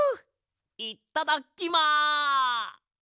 いっただきま。